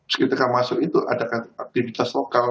seketika masuk itu ada aktivitas lokal